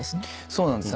そうなんです